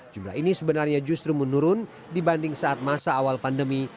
jumlah ini sebenarnya justru menurun dibanding saat masa awal pandemi